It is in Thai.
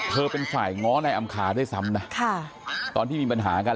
เป็นฝ่ายง้อนายอำคาด้วยซ้ำนะค่ะตอนที่มีปัญหากัน